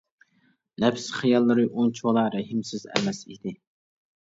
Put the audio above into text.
نەپىس خىياللىرى ئۇنچىۋالا رەھىمسىز ئەمەس ئىدى.